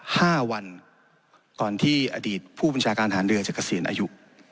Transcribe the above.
ห้าวันก่อนที่อดีตผู้บัญชาการฐานเรือจะเกษียณอายุ